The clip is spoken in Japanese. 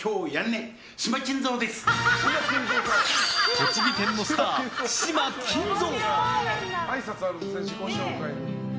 栃木県のスター、嶋均三！